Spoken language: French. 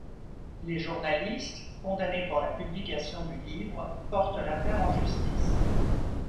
Les journalistes, condamnés pour la publication du livre, portent l'affaire en justice.